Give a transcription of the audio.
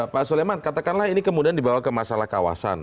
pak suleman katakanlah ini kemudian dibawa ke masalah kawasan